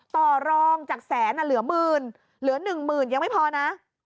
ต่อรองจากแสนเหลือหมื่นเหลือหนึ่งหมื่นยังไม่พอนะ